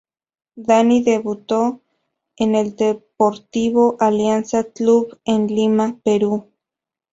Dani debutó en el Deportivo Alianza Club en Lima, Perú.